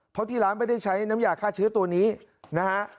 เพราะที่ร้านไม่ได้ใช้น้ำยาฆ่าเชื้อตัวนี้นะฮะ